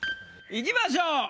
いきましょう。